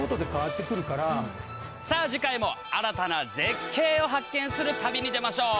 さあ次回も新たな絶景を発見する旅に出ましょう！